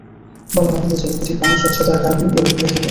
বলা বাহুল্য যে, নদীটির পানির স্বচ্ছতার কারণেই এরূপ হয়ে থাকে।